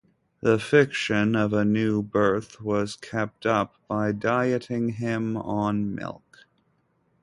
The fiction of a new birth was kept up by dieting him on milk.